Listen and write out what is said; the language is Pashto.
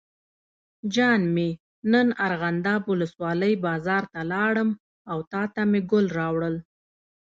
جان مې نن ارغنداب ولسوالۍ بازار ته لاړم او تاته مې ګل راوړل.